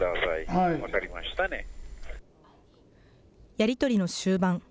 やり取りの終盤。